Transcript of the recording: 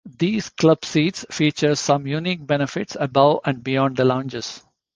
These club seats feature some unique benefits above and beyond the lounges.